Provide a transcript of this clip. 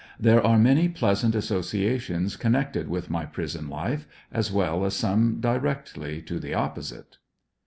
There are many pleasant associations connected with my prison life, as well as some directly to the opposite.